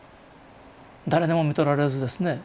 誰にもみとられずですね